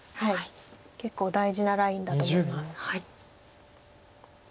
結構大事なラインだと思います。